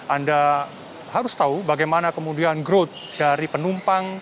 anda harus tahu bagaimana kemudian growth dari penumpang